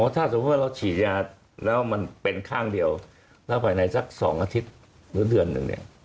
ถ้าสมมุติว่าเราฉีดยาแล้วมันเป็นข้างเดียวแล้วภายในสัก๒อาทิตย์หรือเดือนหนึ่งเนี่ย